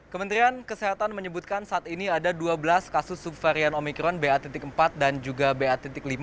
kementerian kesehatan menyebutkan saat ini ada dua belas kasus subvarian omikron b a empat dan juga b a lima